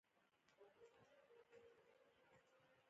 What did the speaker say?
هوښیار خلک د عذر نه وېرېږي نه.